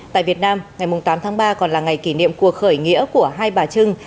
tại việt nam ngày tám tháng ba còn là ngày kỷ niệm cuộc khởi nghĩa của hai bà trưng